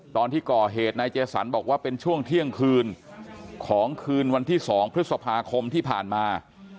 ตอนที่ก่อเหตุนายเจสันบอกว่าเป็นช่วงเที่ยงคืนของคืนวันที่๒พฤษภาคมที่ผ่านมา